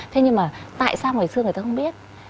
thế nhưng mà tại sao ngày xưa người ta không biết